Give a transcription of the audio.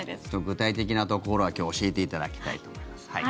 具体的なところは今日教えていただきたいと思います。